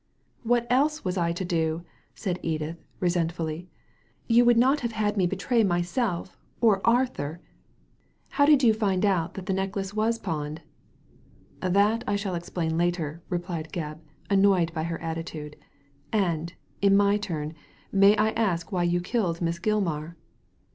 "What else was I to do? " said Edith, resentfully. "You would not have had me betray myself or Arthur? How did you find out that the necklace was pawned ?" "That I shall explain later," replied Gebb, annoyed by her attitude. "And, in my turn, may I ask why you killed Miss Gilmar?"